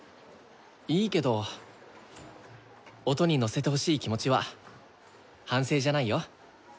いいけど音に乗せてほしい気持ちは反省じゃないよ。